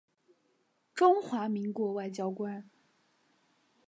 中华民国外交官。